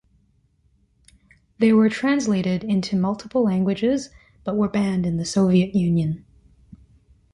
They were translated into multiple languages, but were banned in the Soviet Union.